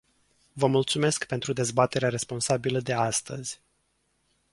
Vă mulțumesc pentru dezbaterea responsabilă de astăzi.